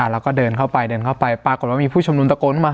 แล้วก็เดินเข้าไปเดินเข้าไปปรากฏว่ามีผู้ชมนุมตะโกนเข้ามา